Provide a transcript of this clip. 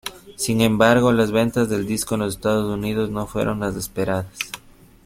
Sin embargo, las ventas del disco en los Estados Unidos no fueron las esperadas.